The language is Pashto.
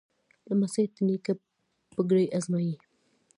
لمسی د نیکه پګړۍ ازمایي.